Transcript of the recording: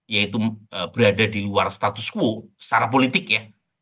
yaitu berada di luar status quo secara politik ya